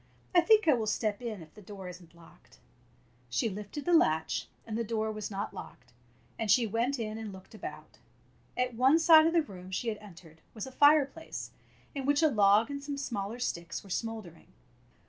I think I will step in, if the door is n't locked." She lifted the latch, and the door was not locked, and she went in and looked about. At one side of the room she had entered was a fireplace in which a log and some smaller sticks were smouldering.